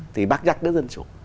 thì bác nhắc đến dân chủ